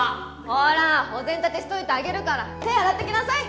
ほらお膳立てしといてあげるから手洗ってきなさい